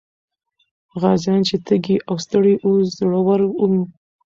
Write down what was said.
غازيان چې تږي او ستړي وو، زړور وو.